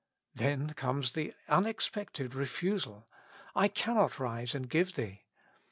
Then comes the unexpected refusal; " I can7iot rise and give thee."